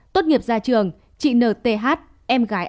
tốt nghiệp ra trường chị nở th em gái anh